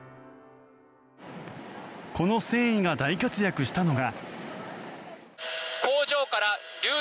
この繊維が大活躍したのが。